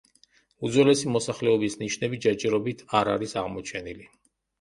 უძველესი მოსახლეობის ნიშნები ჯერჯერობით არ არის აღმოჩენილი.